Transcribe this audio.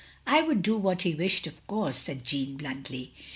"I should do what he wished, of course," said Jeanne, bluntly.